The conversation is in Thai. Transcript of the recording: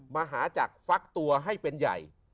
มหาจักรฟักตัวให้เป็นใหญ่